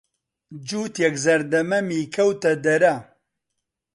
جووتیک زەردە مەمی کەوتەدەرە.